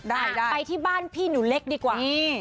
ได้ได้ไปที่บ้านพี่หนูเล็กดีกว่า